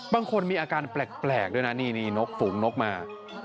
บางคนมีอาการแปลกด้วยนะนี่นกฝูงนกมา